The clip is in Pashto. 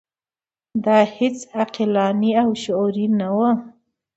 دا هیڅ عقلاني او شعوري نه وه.